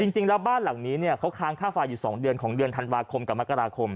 จริงแล้วบ้านหลังนี้เขาค้างค่าไฟอยู่๒เดือนของเดือนธันวาคมกับมกราคม